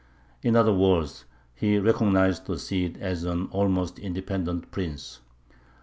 In other words, he recognized the Cid as an almost independent prince.